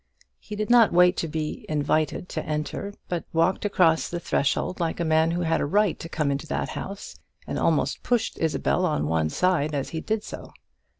He did not wait to be invited to enter, but walked across the threshold like a man who had a right to come into that house, and almost pushed Isabel on one side as he did so.